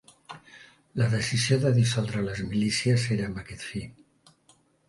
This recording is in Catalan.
La decisió de dissoldre les milícies, era amb aquest fi